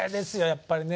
やっぱりね